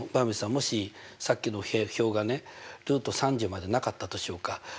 もしさっきの表がねルート３０までなかったとしようか。